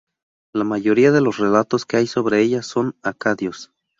La mayoría de los relatos que hay sobre ella son acadios.